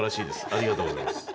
ありがとうございます。